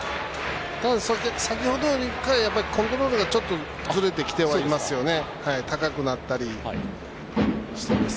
先ほどよりはコントロールがちょっとずれてきていますね。